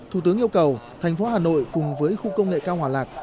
thủ tướng yêu cầu thành phố hà nội cùng với khu công nghệ cao hòa lạc